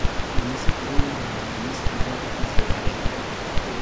minisitiri w intebe minisitiri w abakozi ba leta